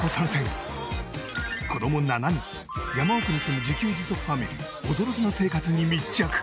子供７人山奥に住む自給自足ファミリー驚きの生活に密着。